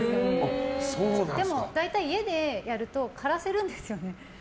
でも大体、家でやると枯らすんですよね。